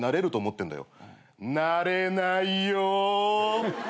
なれないよ！